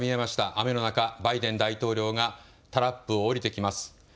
雨の中、バイデン大統領がタラップを降りてきます。